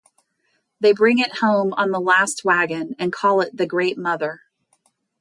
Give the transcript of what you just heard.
They bring it home on the last wagon and call it the Great Mother.